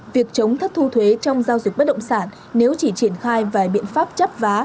việc chống thất thu thuế trong giao dịch bất động sản nếu chỉ triển khai vài biện pháp chấp vá